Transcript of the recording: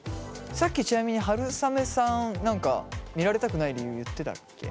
さっきちなみにはるさめさん何か見られたくない理由言ってたっけ？